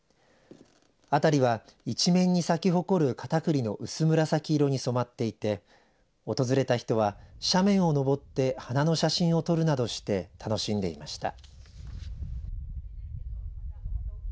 辺りは一面に咲き誇るカタクリの薄紫色に染まっていて訪れた人は、斜面を登って花の写真を撮るなどして楽しんでいました。